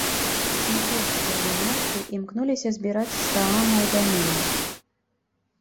Нарвежскія манархі імкнуліся збіраць з саамаў даніну.